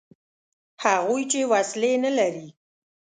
هغوی چې وسلې نه لري.